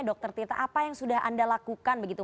dr tita apa yang sudah anda lakukan begitu